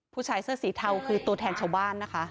ผู้ชายเสื้อสีเทาคือตัวแทนชาวบ้านนะคะ